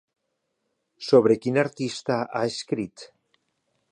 Sobre quin artista ha escrit?